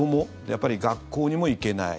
やっぱり学校にも行けない。